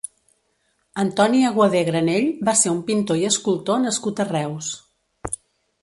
Antoni Aguadé Granell va ser un pintor i escultor nascut a Reus.